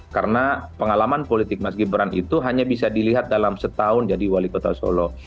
karena pengalaman politik mas gibran itu hanya bisa dilihat dalam setahun jadi wali kota solo